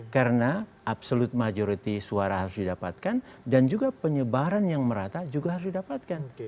karena absolute majority suara harus didapatkan dan juga penyebaran yang merata juga harus didapatkan